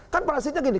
kan prinsipnya gini